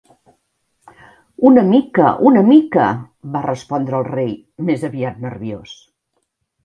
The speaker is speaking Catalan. "Una mica, una mica", va respondre el Rei, més aviat nerviós.